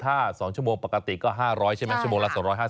ถ้า๒ชั่วโมงปกติก็๕๐๐ใช่ไหมชั่วโมงละ๒๕๐